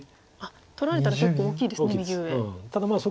取られたら結構大きいですね右上。